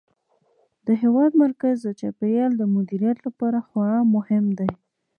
د هېواد مرکز د چاپیریال د مدیریت لپاره خورا مهم دی.